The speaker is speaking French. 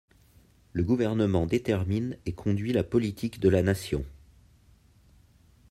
Le gouvernement détermine et conduit la politique de la Nation.